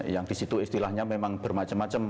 yang di situ istilahnya memang bermacam macam